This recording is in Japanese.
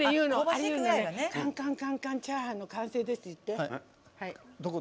「カンカンカンカン缶チャーハン」の完成ですってどこ？